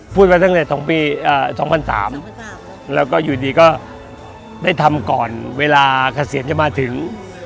พูดมาตั้งแต่๒ปี๒๐๐๓แล้วก็อยู่ดีก็ได้ทำก่อนเวลาเกษียณจะมาถึง